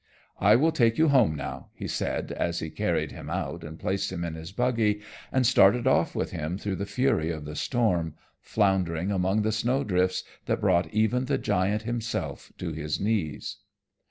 "I will take you home, now," he said as he carried him out and placed him in his buggy, and started off with him through the fury of the storm, floundering among the snow drifts that brought even the giant himself to his knees.